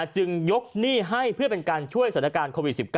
จึงยกหนี้ให้เพื่อเป็นการช่วยสถานการณ์โควิด๑๙